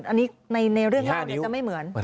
อันนี้จะไม่เหมือน